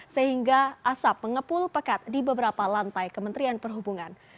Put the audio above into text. sehingga asap mengepul pekat di beberapa lantai kementerian perhubungan